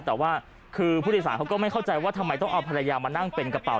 แต่ว่าคือผู้โดยสารเขาก็ไม่เข้าใจว่าทำไมต้องเอาภรรยามานั่งเป็นกระเป๋า